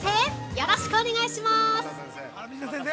よろしくお願いします。